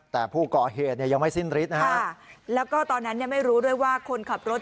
แต่ผู้ก่อเหตุเนี่ยยังไม่สิ้นฤทธินะฮะแล้วก็ตอนนั้นเนี่ยไม่รู้ด้วยว่าคนขับรถ